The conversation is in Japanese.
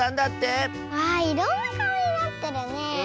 わあいろんなかおになってるねえ。